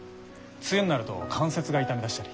梅雨になると関節が痛みだしたり。